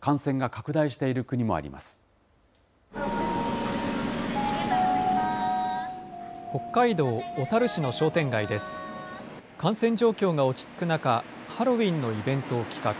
感染状況が落ち着く中、ハロウィーンのイベントを企画。